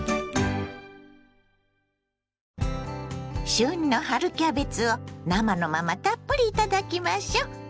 旬の春キャベツを生のままたっぷりいただきましょ。